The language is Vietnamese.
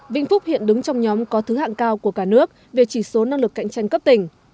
vĩnh phúc hiện đứng trong nhóm có thứ hạng cao của cả nước về chỉ số năng lực cạnh tranh cấp tỉnh